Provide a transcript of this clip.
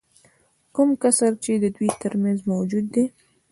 کوم کسر چې د دوی ترمنځ موجود دی